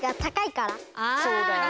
そうだよね。